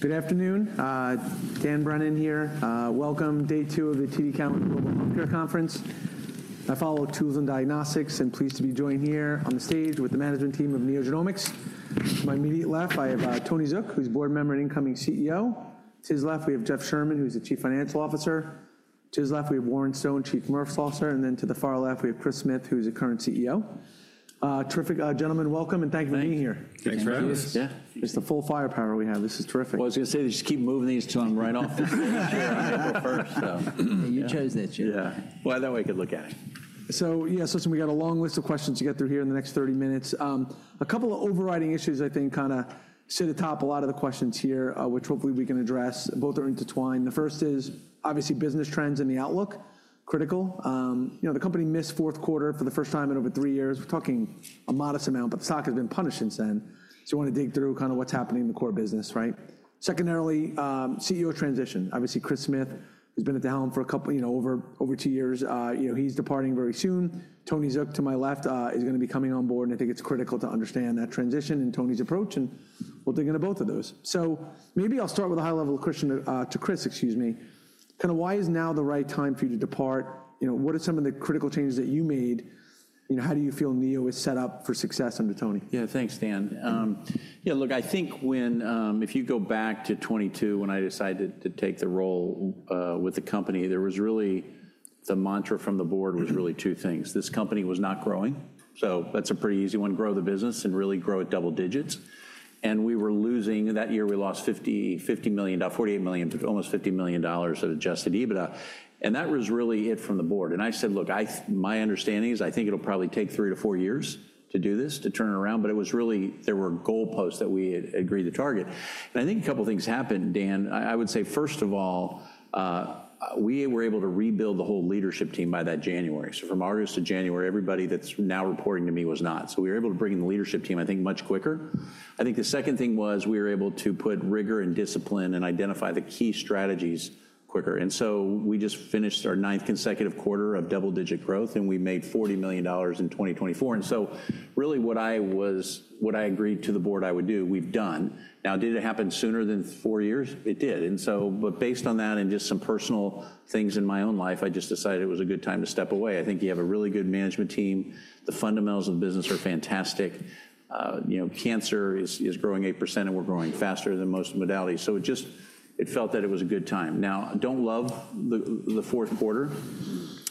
Good afternoon. Dan Brennan here. Welcome. Day two of the TD Cowen Global Healthcare Conference. I follow tools and diagnostics, and I'm pleased to be joined here on the stage with the management team of NeoGenomics. To my immediate left, I have Tony Zook, who's a board member and incoming CEO. To his left, we have Jeff Sherman, who's the Chief Financial Officer. To his left, we have Warren Stone, Chief Commercial Officer. And then to the far left, we have Chris Smith, who's the current CEO. Terrific gentlemen. Welcome, and thank you for being here. Thanks for having us. Yeah. It's the full firepower we have. This is terrific. I was going to say, just keep moving these until I'm right off. You chose this, Jimmy. Yeah. I thought we could look at it. Yeah, we got a long list of questions to get through here in the next 30 minutes. A couple of overriding issues, I think, kind of sit atop a lot of the questions here, which hopefully we can address. Both are intertwined. The first is, obviously, business trends and the outlook. Critical. You know, the company missed fourth quarter for the first time in over three years. We're talking a modest amount, but the stock has been punished since then. I want to dig through kind of what's happening in the core business, right? Secondarily, CEO transition. Obviously, Chris Smith has been at the helm for over two years. He's departing very soon. Tony Zook, to my left, is going to be coming on board. I think it's critical to understand that transition and Tony's approach. We'll dig into both of those. Maybe I'll start with a high-level question to Chris, excuse me. Kind of why is now the right time for you to depart? What are some of the critical changes that you made? How do you feel Neo is set up for success under Tony? Yeah, thanks, Dan. Yeah, look, I think if you go back to 2022, when I decided to take the role with the company, there was really the mantra from the board was really two things. This company was not growing. That's a pretty easy one. Grow the business and really grow at double digits. We were losing that year, we lost $48 million, almost $50 million at adjusted EBITDA. That was really it from the board. I said, look, my understanding is I think it'll probably take three to four years to do this, to turn it around. It was really there were goalposts that we had agreed to target. I think a couple of things happened, Dan. I would say, first of all, we were able to rebuild the whole leadership team by that January. From August to January, everybody that's now reporting to me was not. We were able to bring in the leadership team, I think, much quicker. I think the second thing was we were able to put rigor and discipline and identify the key strategies quicker. We just finished our ninth consecutive quarter of double-digit growth, and we made $40 million in 2024. Really what I agreed to the board I would do, we've done. Did it happen sooner than four years? It did. Based on that and just some personal things in my own life, I just decided it was a good time to step away. I think you have a really good management team. The fundamentals of the business are fantastic. Cancer is growing 8%, and we're growing faster than most modalities. It just felt that it was a good time. Now, I don't love the fourth quarter.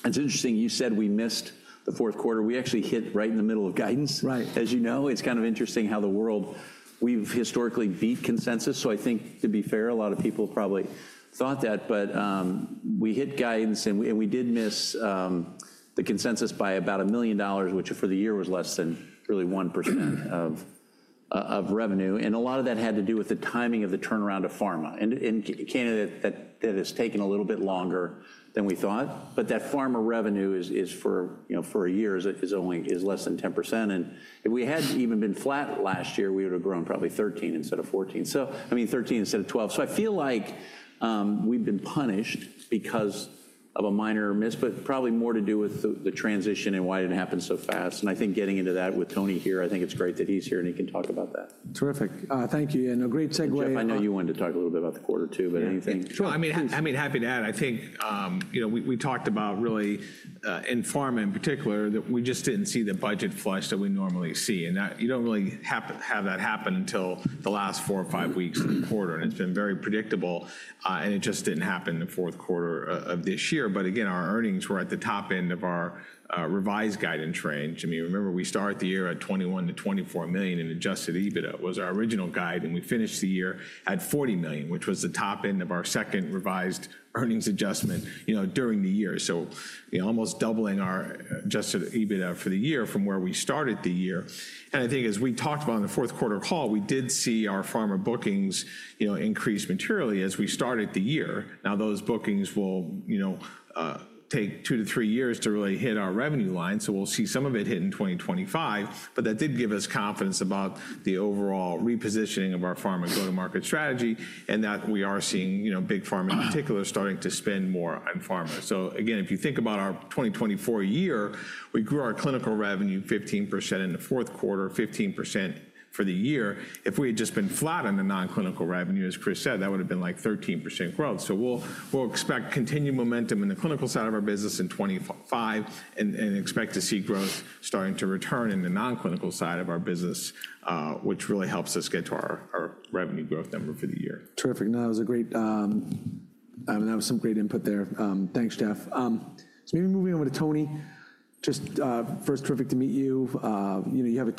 It's interesting. You said we missed the fourth quarter. We actually hit right in the middle of guidance, as you know. It's kind of interesting how the world, we've historically beat consensus. I think, to be fair, a lot of people probably thought that. We hit guidance, and we did miss the consensus by about $1 million, which for the year was less than really 1% of revenue. A lot of that had to do with the timing of the turnaround of pharma. Candidly, that has taken a little bit longer than we thought. That pharma revenue for a year is less than 10%. If we had even been flat last year, we would have grown probably 13 instead of 14. I mean, 13 instead of 12. I feel like we've been punished because of a minor miss, but probably more to do with the transition and why it didn't happen so fast. I think getting into that with Tony here, I think it's great that he's here, and he can talk about that. Terrific. Thank you. A great segue. Jeff, I know you wanted to talk a little bit about the quarter, too, but anything? Sure. I mean, happy to add. I think we talked about really in pharma in particular that we just did not see the budget flush that we normally see. You do not really have that happen until the last four or five weeks of the quarter. It has been very predictable, and it just did not happen in the fourth quarter of this year. Again, our earnings were at the top end of our revised guidance range. I mean, remember, we started the year at $21-$24 million in adjusted EBITDA was our original guide. We finished the year at $40 million, which was the top end of our second revised earnings adjustment during the year. Almost doubling our adjusted EBITDA for the year from where we started the year. I think as we talked about in the fourth quarter call, we did see our pharma bookings increase materially as we started the year. Now, those bookings will take two to three years to really hit our revenue line. We will see some of it hit in 2025. That did give us confidence about the overall repositioning of our pharma go-to-market strategy and that we are seeing big pharma in particular starting to spend more on pharma. Again, if you think about our 2024 year, we grew our clinical revenue 15% in the fourth quarter, 15% for the year. If we had just been flat on the non-clinical revenue, as Chris said, that would have been like 13% growth. We expect continued momentum in the clinical side of our business in 2025 and expect to see growth starting to return in the non-clinical side of our business, which really helps us get to our revenue growth number for the year. Terrific. No, that was great. I mean, that was some great input there. Thanks, Jeff. Maybe moving on with Tony. Just first, terrific to meet you. You have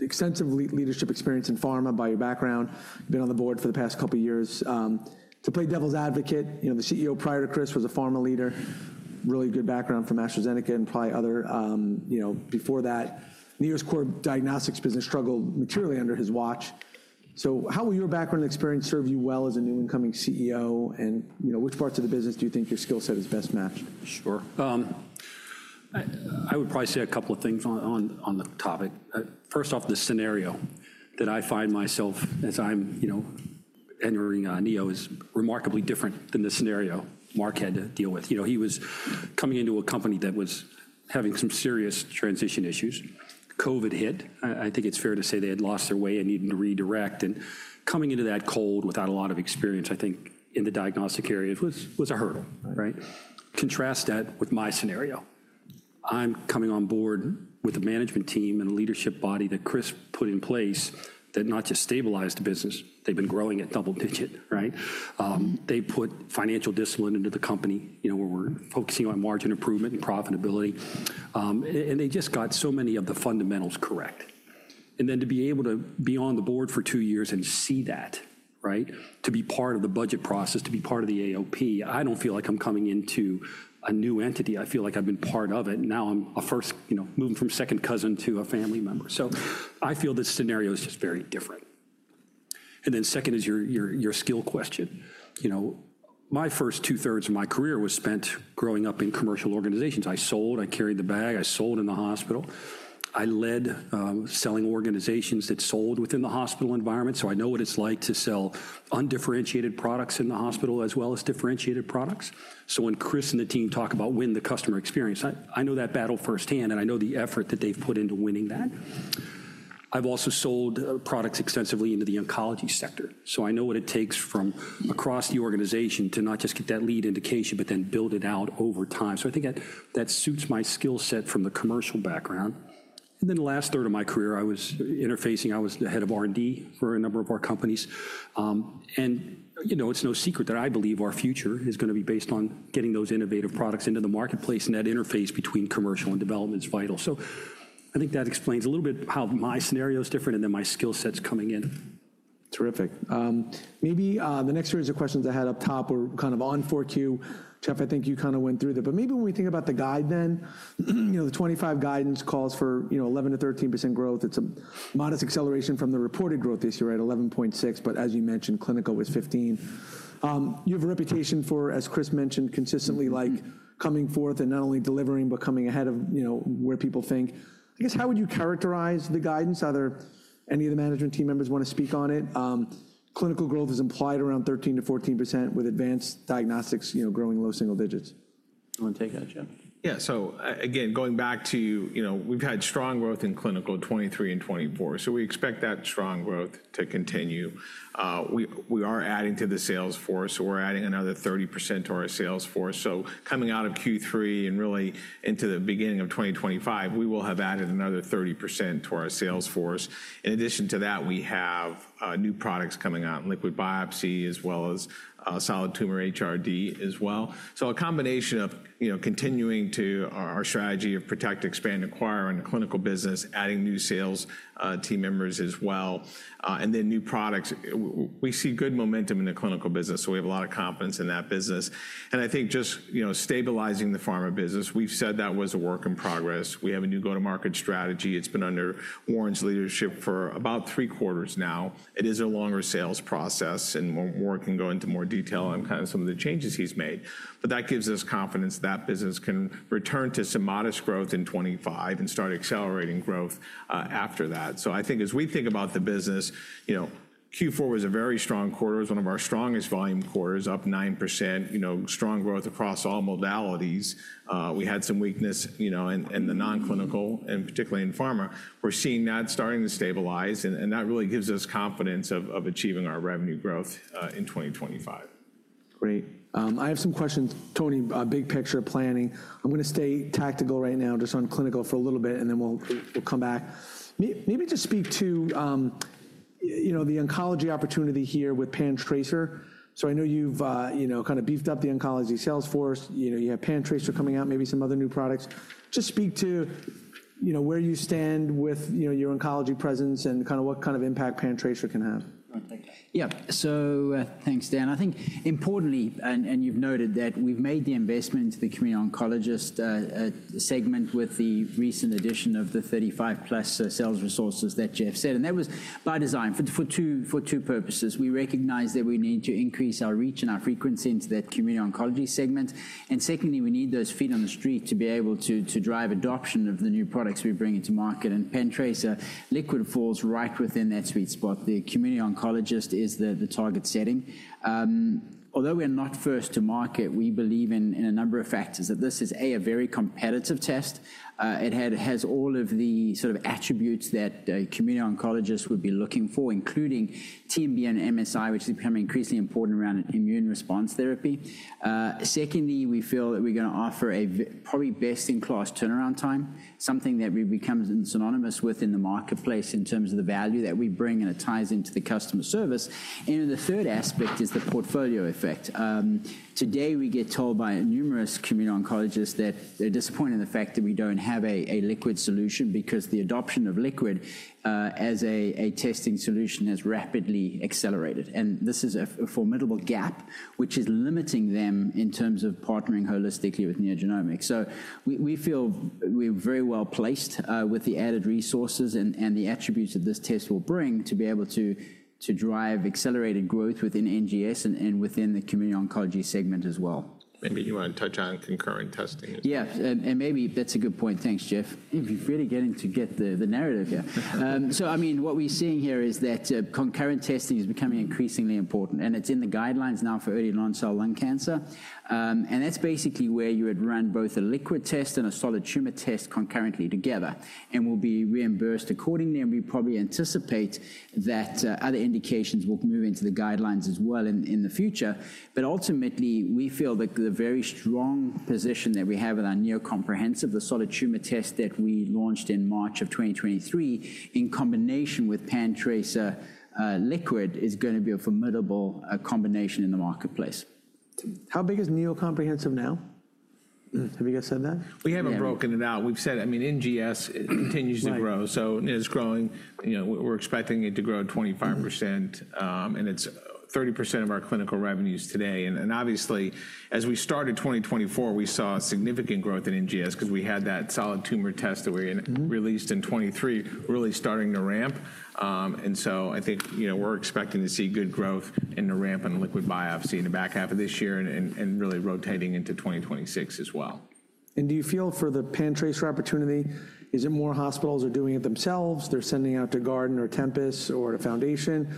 extensive leadership experience in pharma by your background. You've been on the board for the past couple of years. To play devil's advocate, the CEO prior to Chris was a pharma leader. Really good background for AstraZeneca and probably other before that. Neo's core diagnostics business struggled materially under his watch. How will your background and experience serve you well as a new incoming CEO? Which parts of the business do you think your skill set is best matched? Sure. I would probably say a couple of things on the topic. First off, the scenario that I find myself as I'm entering Neo is remarkably different than the scenario Mark had to deal with. He was coming into a company that was having some serious transition issues. COVID hit. I think it's fair to say they had lost their way and needed to redirect. Coming into that cold without a lot of experience, I think, in the diagnostic area was a hurdle. Contrast that with my scenario. I'm coming on board with a management team and a leadership body that Chris put in place that not just stabilized the business. They've been growing at double digit. They put financial discipline into the company where we're focusing on margin improvement and profitability. They just got so many of the fundamentals correct. To be able to be on the board for two years and see that, to be part of the budget process, to be part of the AOP, I don't feel like I'm coming into a new entity. I feel like I've been part of it. Now I'm first moving from second cousin to a family member. I feel this scenario is just very different. Second is your skill question. My first two-thirds of my career was spent growing up in commercial organizations. I sold. I carried the bag. I sold in the hospital. I led selling organizations that sold within the hospital environment. I know what it's like to sell undifferentiated products in the hospital as well as differentiated products. When Chris and the team talk about win the customer experience, I know that battle firsthand, and I know the effort that they've put into winning that. I've also sold products extensively into the oncology sector. I know what it takes from across the organization to not just get that lead indication, but then build it out over time. I think that suits my skill set from the commercial background. The last third of my career, I was interfacing. I was the head of R&D for a number of our companies. It's no secret that I believe our future is going to be based on getting those innovative products into the marketplace. That interface between commercial and development is vital. I think that explains a little bit how my scenario is different and then my skill sets coming in. Terrific. Maybe the next series of questions I had up top were kind of on 4Q. Jeff, I think you kind of went through them. Maybe when we think about the guide then, the 2025 guidance calls for 11-13% growth. It's a modest acceleration from the reported growth this year, right? 11.6%. As you mentioned, clinical was 15%. You have a reputation for, as Chris mentioned, consistently coming forth and not only delivering, but coming ahead of where people think. I guess, how would you characterize the guidance? Are there any of the management team members want to speak on it? Clinical growth is implied around 13-14% with advanced diagnostics growing low single digits. I want to take that, Jeff. Yeah. Again, going back to we've had strong growth in clinical 2023 and 2024. We expect that strong growth to continue. We are adding to the sales force. We're adding another 30% to our sales force. Coming out of Q3 and really into the beginning of 2025, we will have added another 30% to our sales force. In addition to that, we have new products coming out in liquid biopsy as well as solid tumor HRD as well. A combination of continuing our strategy of protect, expand, acquire in the clinical business, adding new sales team members as well, and then new products. We see good momentum in the clinical business. We have a lot of confidence in that business. I think just stabilizing the pharma business, we've said that was a work in progress. We have a new go-to-market strategy. It's been under Warren's leadership for about three quarters now. It is a longer sales process, and Warren can go into more detail on kind of some of the changes he's made. That gives us confidence that that business can return to some modest growth in 2025 and start accelerating growth after that. I think as we think about the business, Q4 was a very strong quarter. It was one of our strongest volume quarters, up 9%. Strong growth across all modalities. We had some weakness in the non-clinical, and particularly in pharma. We're seeing that starting to stabilize. That really gives us confidence of achieving our revenue growth in 2025. Great. I have some questions. Tony, big picture planning. I'm going to stay tactical right now just on clinical for a little bit, and then we'll come back. Maybe just speak to the oncology opportunity here with PanTracer. I know you've kind of beefed up the oncology sales force. You have PanTracer coming out, maybe some other new products. Just speak to where you stand with your oncology presence and kind of what kind of impact PanTracer can have. Yeah. Thanks, Dan. I think importantly, and you've noted that we've made the investment, the community oncologist segment with the recent addition of the 35-plus sales resources that Jeff said. That was by design for two purposes. We recognize that we need to increase our reach and our frequency into that community oncology segment. Secondly, we need those feet on the street to be able to drive adoption of the new products we bring into market. PanTracer liquid falls right within that sweet spot. The community oncologist is the target setting. Although we are not first to market, we believe in a number of factors that this is, A, a very competitive test. It has all of the sort of attributes that a community oncologist would be looking for, including TMB and MSI, which is becoming increasingly important around immune response therapy. Secondly, we feel that we're going to offer a probably best-in-class turnaround time, something that becomes synonymous with in the marketplace in terms of the value that we bring and it ties into the customer service. The third aspect is the portfolio effect. Today, we get told by numerous community oncologists that they're disappointed in the fact that we don't have a liquid solution because the adoption of liquid as a testing solution has rapidly accelerated. This is a formidable gap, which is limiting them in terms of partnering holistically with NeoGenomics. We feel we're very well placed with the added resources and the attributes that this test will bring to be able to drive accelerated growth within NGS and within the community oncology segment as well. Maybe you want to touch on concurrent testing. Yeah. Maybe that's a good point. Thanks, Jeff. If you're really getting to get the narrative here. I mean, what we're seeing here is that concurrent testing is becoming increasingly important. It's in the guidelines now for early non-small cell lung cancer. That's basically where you would run both a liquid test and a solid tumor test concurrently together and will be reimbursed accordingly. We probably anticipate that other indications will move into the guidelines as well in the future. Ultimately, we feel that the very strong position that we have with our Neo Comprehensive, the solid tumor test that we launched in March of 2023 in combination with PanTracer liquid, is going to be a formidable combination in the marketplace. How big is Neo Comprehensive now? Have you guys said that? We haven't broken it out. We've said, I mean, NGS continues to grow. It's growing. We're expecting it to grow 25%. It's 30% of our clinical revenues today. Obviously, as we started 2024, we saw significant growth in NGS because we had that solid tumor test that we released in 2023 really starting to ramp. I think we're expecting to see good growth and to ramp in liquid biopsy in the back half of this year and really rotating into 2026 as well. Do you feel for the PanTracer opportunity, is it more hospitals are doing it themselves? They're sending out to Guardant or Tempus or Foundation,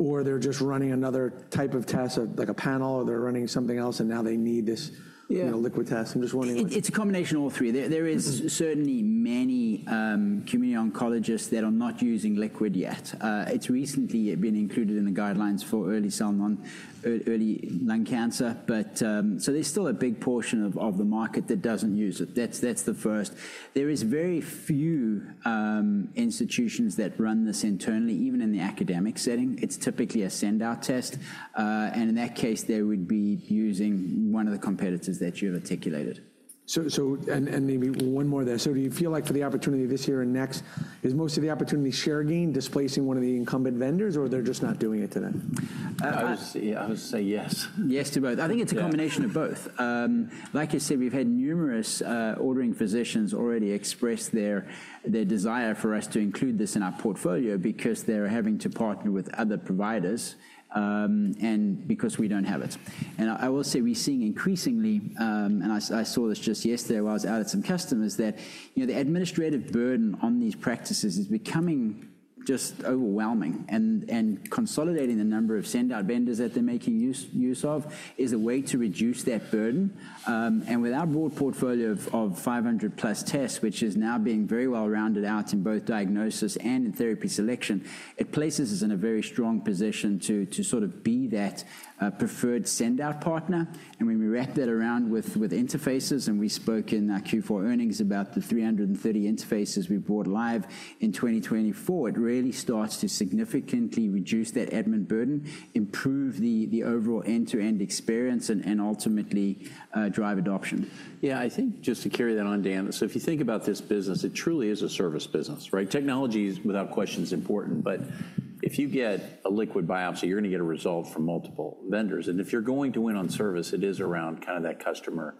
or they're just running another type of test like a panel, or they're running something else and now they need this liquid test? I'm just wondering. It's a combination of all three. There is certainly many community oncologists that are not using liquid yet. It's recently been included in the guidelines for early lung cancer. There is still a big portion of the market that doesn't use it. That's the first. There are very few institutions that run this internally, even in the academic setting. It's typically a send-out test. In that case, they would be using one of the competitors that you have articulated. Maybe one more there. Do you feel like for the opportunity this year and next, is most of the opportunity share gain displacing one of the incumbent vendors, or they're just not doing it today? I would say yes. Yes to both. I think it's a combination of both. Like I said, we've had numerous ordering physicians already express their desire for us to include this in our portfolio because they're having to partner with other providers and because we don't have it. I will say we're seeing increasingly, and I saw this just yesterday while I was out at some customers, that the administrative burden on these practices is becoming just overwhelming. Consolidating the number of send-out vendors that they're making use of is a way to reduce that burden. With our broad portfolio of 500-plus tests, which is now being very well rounded out in both diagnosis and in therapy selection, it places us in a very strong position to sort of be that preferred send-out partner. When we wrap that around with interfaces, and we spoke in our Q4 earnings about the 330 interfaces we brought live in 2024, it really starts to significantly reduce that admin burden, improve the overall end-to-end experience, and ultimately drive adoption. Yeah. I think just to carry that on, Dan, if you think about this business, it truly is a service business. Technology is, without question, important. If you get a liquid biopsy, you're going to get a result from multiple vendors. If you're going to win on service, it is around kind of that customer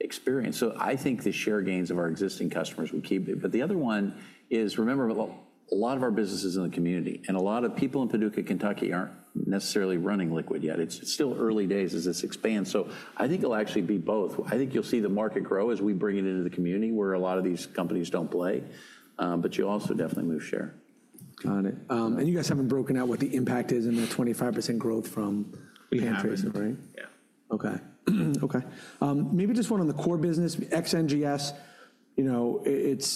experience. I think the share gains of our existing customers will keep it. The other one is, remember, a lot of our business is in the community and a lot of people in Paducah, Kentucky aren't necessarily running liquid yet. It's still early days as this expands. I think it'll actually be both. I think you'll see the market grow as we bring it into the community where a lot of these companies don't play. You also definitely move share. Got it. You guys haven't broken out what the impact is in the 25% growth from PanTracer, right? Yeah. Okay. Okay. Maybe just one on the core business. XNGS, I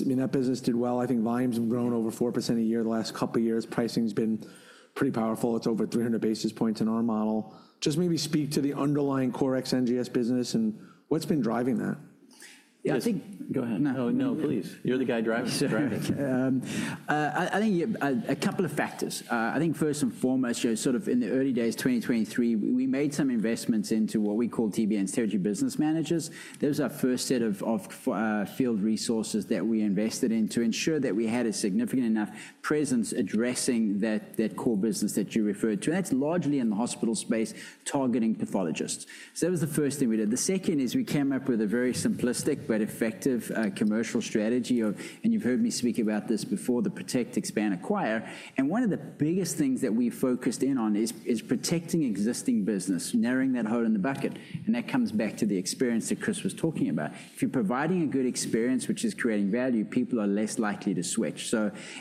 mean, that business did well. I think volumes have grown over 4% a year the last couple of years. Pricing has been pretty powerful. It's over 300 basis points in our model. Just maybe speak to the underlying core XNGS business and what's been driving that. Yeah. I think. Go ahead. No, no, please. You're the guy driving it. I think a couple of factors. I think first and foremost, sort of in the early days 2023, we made some investments into what we call TBN strategy business managers. That was our first set of field resources that we invested in to ensure that we had a significant enough presence addressing that core business that you referred to. That is largely in the hospital space targeting pathologists. That was the first thing we did. The second is we came up with a very simplistic but effective commercial strategy. You have heard me speak about this before, the protect, expand, acquire. One of the biggest things that we focused in on is protecting existing business, narrowing that hole in the bucket. That comes back to the experience that Chris was talking about. If you're providing a good experience, which is creating value, people are less likely to switch.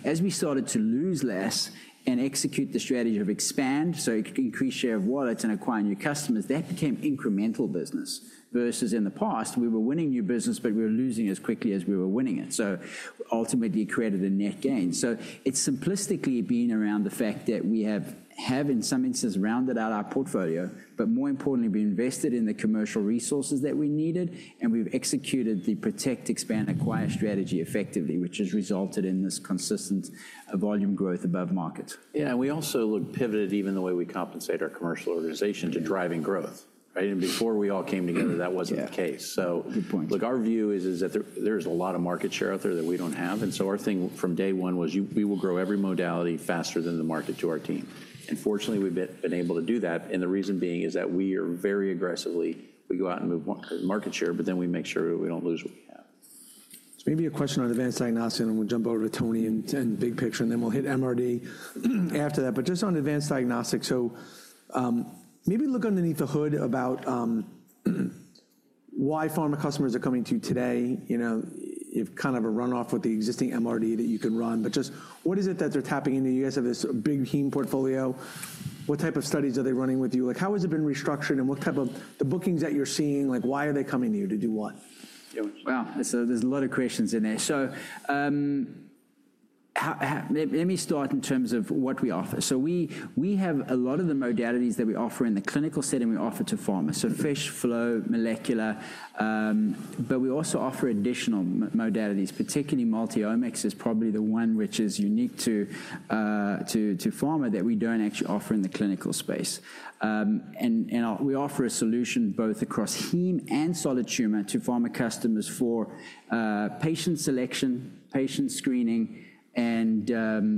As we started to lose less and execute the strategy of expand, so increase share of wallets and acquire new customers, that became incremental business versus in the past, we were winning new business, but we were losing as quickly as we were winning it. Ultimately, it created a net gain. It has simplistically been around the fact that we have, in some instances, rounded out our portfolio, but more importantly, we invested in the commercial resources that we needed. We have executed the protect, expand, acquire strategy effectively, which has resulted in this consistent volume growth above market. Yeah. We also pivoted even the way we compensate our commercial organization to driving growth. Before we all came together, that was not the case. Our view is that there is a lot of market share out there that we do not have. Our thing from day one was we will grow every modality faster than the market to our team. Fortunately, we have been able to do that. The reason being is that we are very aggressively, we go out and move market share, but then we make sure we do not lose what we have. Maybe a question on advanced diagnostic. Then we'll jump over to Tony and big picture. Then we'll hit MRD after that. Just on advanced diagnostic, maybe look underneath the hood about why pharma customers are coming to you today. You've kind of a runoff with the existing MRD that you can run. Just what is it that they're tapping into? You guys have this big heme portfolio. What type of studies are they running with you? How has it been restructured? What type of the bookings that you're seeing, why are they coming to you to do what? Wow. There is a lot of questions in there. Let me start in terms of what we offer. We have a lot of the modalities that we offer in the clinical setting we offer to pharma. FISH, Flow, Molecular. We also offer additional modalities. Particularly, MultiOmyx is probably the one which is unique to pharma that we do not actually offer in the clinical space. We offer a solution both across heme and solid tumor to pharma customers for patient selection, patient screening, and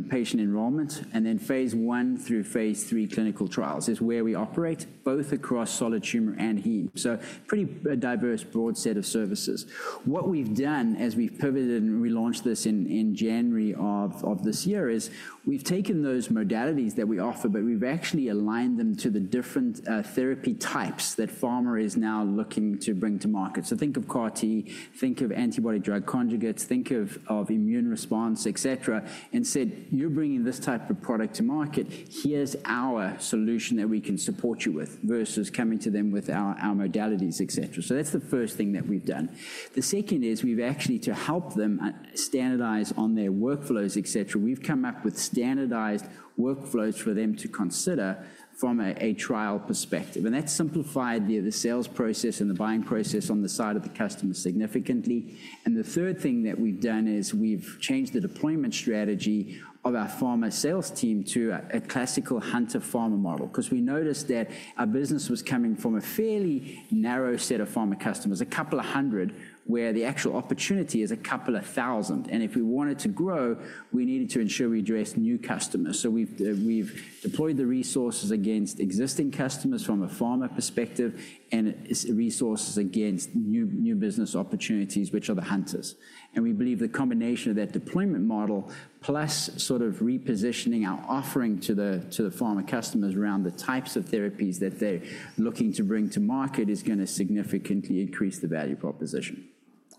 patient enrollment. Phase I through phase III clinical trials is where we operate both across solid tumor and heme. Pretty diverse, broad set of services. What we've done as we've pivoted and relaunched this in January of this year is we've taken those modalities that we offer, but we've actually aligned them to the different therapy types that pharma is now looking to bring to market. Think of CAR-T, think of antibody drug conjugates, think of immune response, etc. We said, you're bringing this type of product to market, here's our solution that we can support you with versus coming to them with our modalities, etc. That's the first thing that we've done. The second is we've actually, to help them standardize on their workflows, etc., we've come up with standardized workflows for them to consider from a trial perspective. That's simplified the sales process and the buying process on the side of the customer significantly. The third thing that we've done is we've changed the deployment strategy of our pharma sales team to a classical Hunter Pharma model. We noticed that our business was coming from a fairly narrow set of pharma customers, a couple of hundred, where the actual opportunity is a couple of thousand. If we wanted to grow, we needed to ensure we addressed new customers. We've deployed the resources against existing customers from a pharma perspective and resources against new business opportunities, which are the Hunters. We believe the combination of that deployment model plus sort of repositioning our offering to the pharma customers around the types of therapies that they're looking to bring to market is going to significantly increase the value proposition.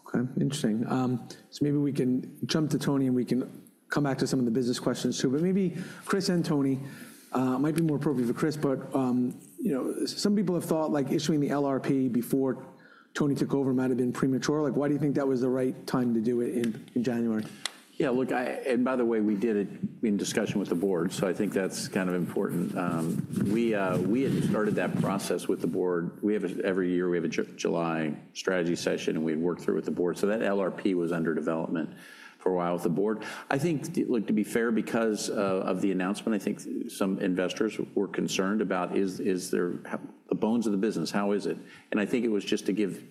Okay. Interesting. Maybe we can jump to Tony and we can come back to some of the business questions too. Maybe Chris and Tony, it might be more appropriate for Chris, but some people have thought issuing the LRP before Tony took over might have been premature. Why do you think that was the right time to do it in January? Yeah. Look, and by the way, we did it in discussion with the board. I think that's kind of important. We had started that process with the board. Every year, we have a July strategy session, and we'd worked through with the board. That LRP was under development for a while with the board. I think, look, to be fair, because of the announcement, I think some investors were concerned about, is there the bones of the business? How is it? I think it was just to give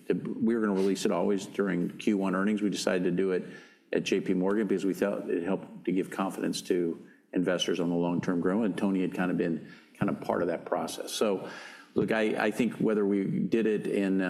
we were going to release it always during Q1 earnings. We decided to do it at JPMorgan because we thought it helped to give confidence to investors on the long-term growth. Tony had kind of been kind of part of that process. Look, I think whether we did it in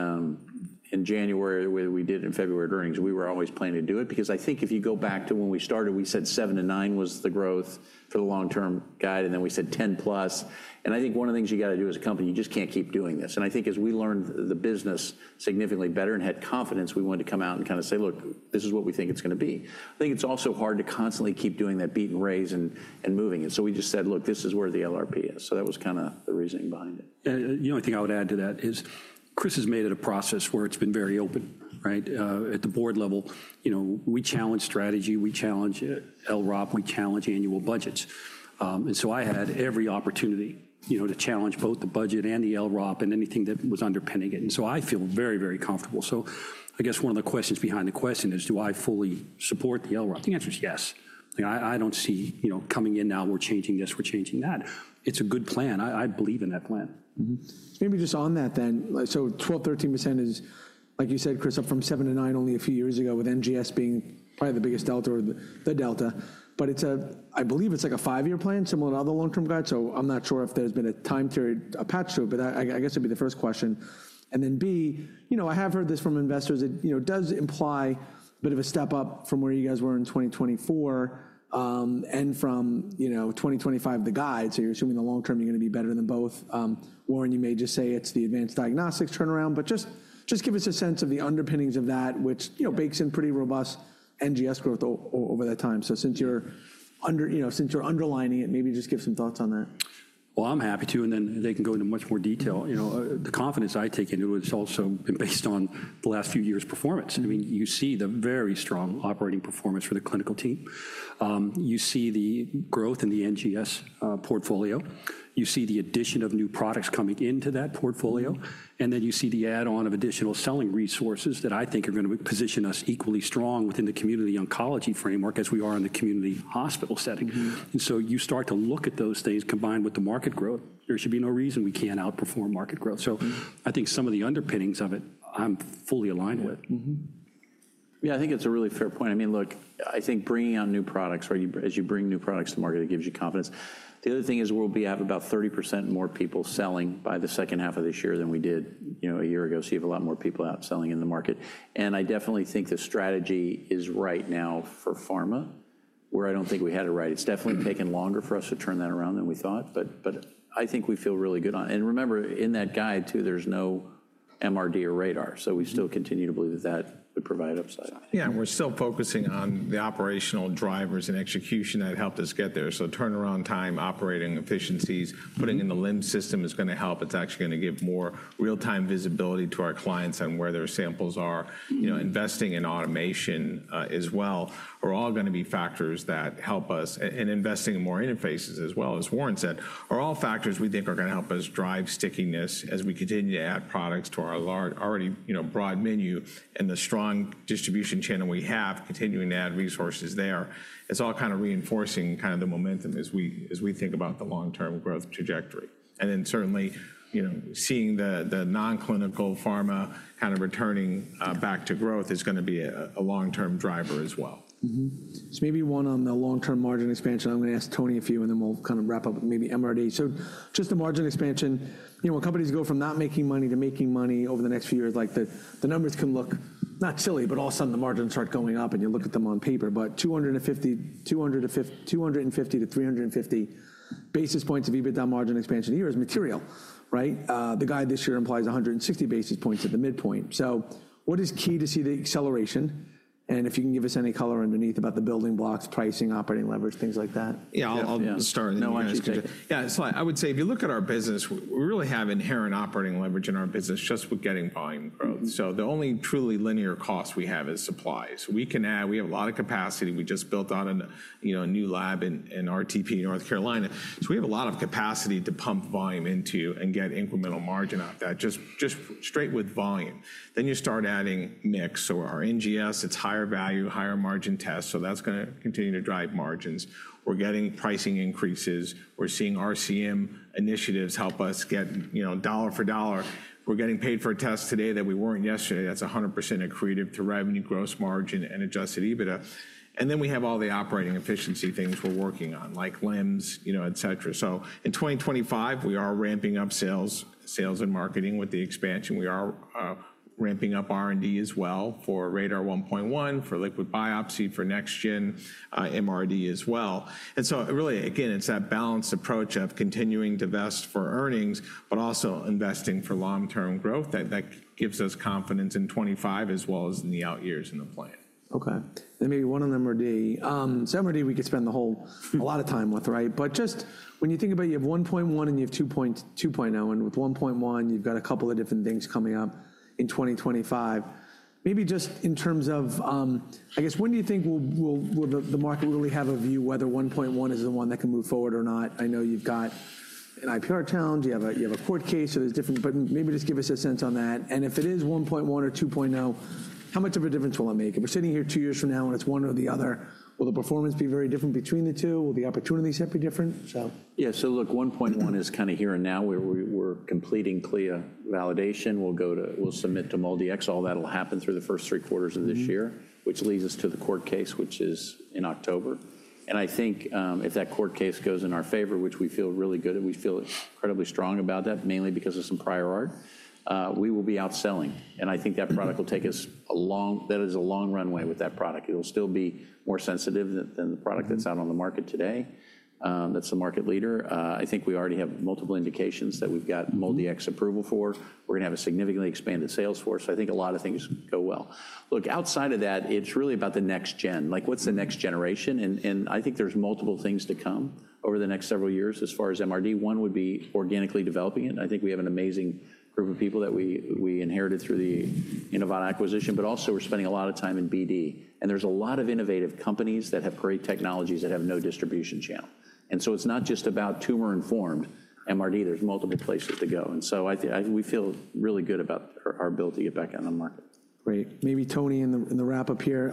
January, whether we did it in February at earnings, we were always planning to do it. Because I think if you go back to when we started, we said seven to nine was the growth for the long-term guide. And then we said 10 plus. I think one of the things you got to do as a company, you just can't keep doing this. I think as we learned the business significantly better and had confidence, we wanted to come out and kind of say, look, this is what we think it's going to be. I think it's also hard to constantly keep doing that beat and raise and moving. We just said, look, this is where the LRP is. That was kind of the reasoning behind it. The only thing I would add to that is Chris has made it a process where it's been very open at the board level. We challenge strategy. We challenge LRP. We challenge annual budgets. I had every opportunity to challenge both the budget and the LRP and anything that was underpinning it. I feel very, very comfortable. I guess one of the questions behind the question is, do I fully support the LRP? The answer is yes. I don't see coming in now, we're changing this, we're changing that. It's a good plan. I believe in that plan. Maybe just on that then. Twelve, thirteen percent is, like you said, Chris, up from seven to nine only a few years ago with NGS being probably the biggest delta or the delta. I believe it's like a five-year plan similar to other long-term guides. I'm not sure if there's been a time period attached to it. I guess it'd be the first question. B, I have heard this from investors that does imply a bit of a step up from where you guys were in 2024 and from 2025, the guide. You're assuming the long-term you're going to be better than both. Warren, you may just say it's the advanced diagnostics turnaround. Just give us a sense of the underpinnings of that, which bakes in pretty robust NGS growth over that time. Since you're underlining it, maybe just give some thoughts on that. I'm happy to. They can go into much more detail. The confidence I take into it has also been based on the last few years' performance. I mean, you see the very strong operating performance for the clinical team. You see the growth in the NGS portfolio. You see the addition of new products coming into that portfolio. You see the add-on of additional selling resources that I think are going to position us equally strong within the community oncology framework as we are in the community hospital setting. You start to look at those things combined with the market growth. There should be no reason we can't outperform market growth. I think some of the underpinnings of it, I'm fully aligned with. Yeah. I think it's a really fair point. I mean, look, I think bringing on new products, as you bring new products to market, it gives you confidence. The other thing is we'll be at about 30% more people selling by the second half of this year than we did a year ago. You have a lot more people out selling in the market. I definitely think the strategy is right now for pharma where I don't think we had it right. It's definitely taken longer for us to turn that around than we thought. I think we feel really good on it. Remember, in that guide too, there's no MRD or RaDaR. We still continue to believe that that would provide upside. Yeah. We're still focusing on the operational drivers and execution that helped us get there. Turnaround time, operating efficiencies, putting in the LIMS system is going to help. It's actually going to give more real-time visibility to our clients on where their samples are. Investing in automation as well are all going to be factors that help us. And investing in more interfaces as well, as Warren said, are all factors we think are going to help us drive stickiness as we continue to add products to our already broad menu and the strong distribution channel we have, continuing to add resources there. It's all kind of reinforcing kind of the momentum as we think about the long-term growth trajectory. And then certainly seeing the non-clinical pharma kind of returning back to growth is going to be a long-term driver as well. Maybe one on the long-term margin expansion. I'm going to ask Tony a few, and then we'll kind of wrap up with maybe MRD. Just the margin expansion. When companies go from not making money to making money over the next few years, the numbers can look not silly, but all of a sudden the margins start going up and you look at them on paper. 250-350 basis points of EBITDA margin expansion a year is material. The guide this year implies 160 basis points at the midpoint. What is key to see the acceleration? If you can give us any color underneath about the building blocks, pricing, operating leverage, things like that. Yeah. I'll start. Yeah. I would say if you look at our business, we really have inherent operating leverage in our business just with getting volume growth. The only truly linear cost we have is supplies. We have a lot of capacity. We just built on a new lab in RTP North Carolina. We have a lot of capacity to pump volume into and get incremental margin off that just straight with volume. You start adding mix. Our NGS, it's higher value, higher margin test. That's going to continue to drive margins. We're getting pricing increases. We're seeing RCM initiatives help us get dollar for dollar. We're getting paid for a test today that we weren't yesterday. That's 100% accretive to revenue, gross margin, and adjusted EBITDA. We have all the operating efficiency things we're working on, like LIMS, etc. In 2025, we are ramping up sales, sales and marketing with the expansion. We are ramping up R&D as well for RaDaR 1.1, for liquid biopsy, for next-gen MRD as well. It is really, again, that balanced approach of continuing to vest for earnings, but also investing for long-term growth that gives us confidence in 2025 as well as in the out years in the plan. Okay. Maybe one on MRD. MRD we could spend a lot of time with, right? Just when you think about you have 1.1 and you have 2.0, and with 1.1, you've got a couple of different things coming up in 2025. Maybe just in terms of, I guess, when do you think the market will really have a view whether 1.1 is the one that can move forward or not? I know you've got an IPR challenge. You have a court case. There are different things, but maybe just give us a sense on that. If it is 1.1 or 2.0, how much of a difference will it make? If we're sitting here two years from now and it's one or the other, will the performance be very different between the two? Will the opportunities have to be different? Yeah. Look, 1.1 is kind of here and now. We're completing CLIA validation. We'll submit to MolDx. All that will happen through the first three quarters of this year, which leads us to the court case, which is in October. I think if that court case goes in our favor, which we feel really good, and we feel incredibly strong about that, mainly because of some prior art, we will be outselling. I think that product will take us a long, that is a long runway with that product. It'll still be more sensitive than the product that's out on the market today that's the market leader. I think we already have multiple indications that we've got MolDx approval for. We're going to have a significantly expanded sales force. I think a lot of things go well. Look, outside of that, it's really about the next gen. What's the next generation? I think there's multiple things to come over the next several years as far as MRD. One would be organically developing it. I think we have an amazing group of people that we inherited through the Inivata acquisition. We are spending a lot of time in BD. There are a lot of innovative companies that have great technologies that have no distribution channel. It is not just about tumor-informed MRD. There are multiple places to go. We feel really good about our ability to get back on the market. Great. Maybe Tony, in the wrap-up here,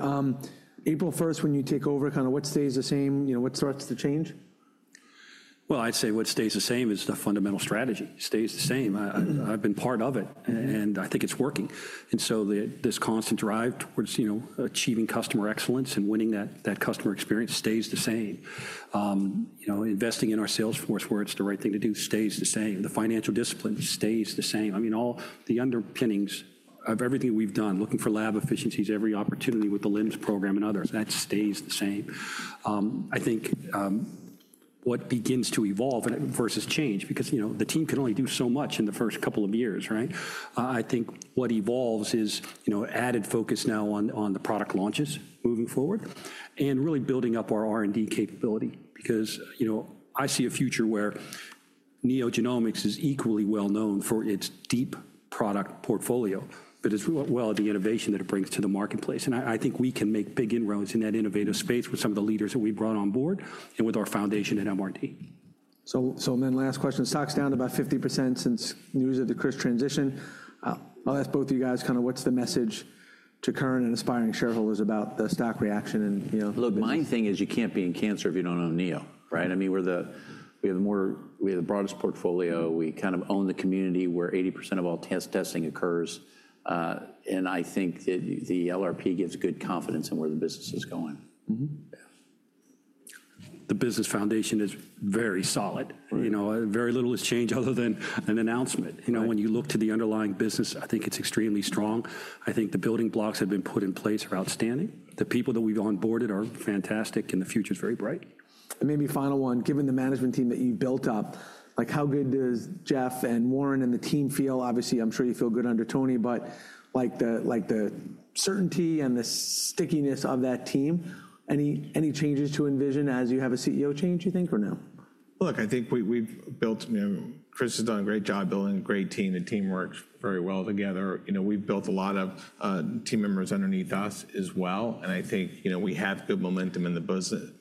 April 1st, when you take over, kind of what stays the same? What starts to change? I’d say what stays the same is the fundamental strategy. Stays the same. I’ve been part of it, and I think it’s working. This constant drive towards achieving customer excellence and winning that customer experience stays the same. Investing in our sales force where it’s the right thing to do stays the same. The financial discipline stays the same. I mean, all the underpinnings of everything we’ve done, looking for lab efficiencies, every opportunity with the LIMS program and others, that stays the same. I think what begins to evolve versus change, because the team can only do so much in the first couple of years, right? I think what evolves is added focus now on the product launches moving forward and really building up our R&D capability. I see a future where NeoGenomics is equally well known for its deep product portfolio, as well as the innovation that it brings to the marketplace. I think we can make big inroads in that innovative space with some of the leaders that we've brought on board and with our foundation at MRD. Last question. Stock's down about 50% since news of the Chris transition. I'll ask both of you guys kind of what's the message to current and aspiring shareholders about the stock reaction. Look, my thing is you can't be in cancer if you don't own Neo, right? I mean, we have the broadest portfolio. We kind of own the community where 80% of all testing occurs. I think that the LRP gives good confidence in where the business is going. The business foundation is very solid. Very little has changed other than an announcement. When you look to the underlying business, I think it's extremely strong. I think the building blocks that have been put in place are outstanding. The people that we've onboarded are fantastic, and the future is very bright. Maybe final one, given the management team that you've built up, how good does Jeff and Warren and the team feel? Obviously, I'm sure you feel good under Tony, but the certainty and the stickiness of that team, any changes to envision as you have a CEO change, you think, or no? Look, I think we've built, Chris has done a great job building a great team. The team works very well together. We've built a lot of team members underneath us as well. I think we have good momentum in the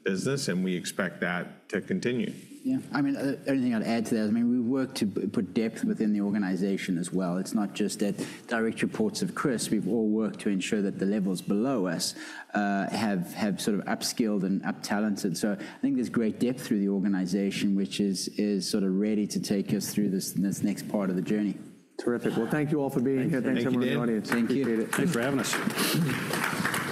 business, and we expect that to continue. Yeah. I mean, everything I'd add to that. I mean, we work to put depth within the organization as well. It's not just the direct reports of Chris. We've all worked to ensure that the levels below us have sort of upskilled and uptalented. So I think there's great depth through the organization, which is sort of ready to take us through this next part of the journey. Terrific. Thank you all for being here. Thanks everyone in the audience. Thank you. Thanks for having us.